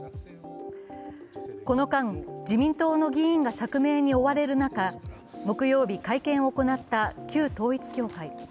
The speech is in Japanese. この間、自民党の議員が釈明に追われる中、木曜日、会見を行った旧統一教会。